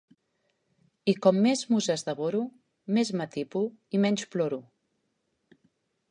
I com més muses devoro més m'atipo i menys ploro.